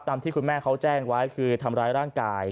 ที่คุณแม่เขาแจ้งไว้คือทำร้ายร่างกาย